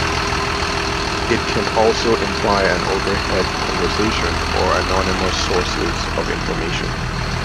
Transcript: It can also imply an overheard conversation or anonymous sources of information.